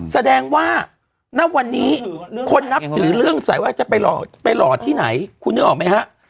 แสดงว่าณวันนี้คนนับถือเรื่องใสว่าจะไปหล่อที่ไหนคุณนึกออกไหมฮะ